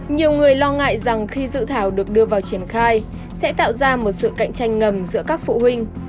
nhiều người lo ngại rằng khi dự thảo được đưa vào triển khai sẽ tạo ra một sự cạnh tranh ngầm giữa các phụ huynh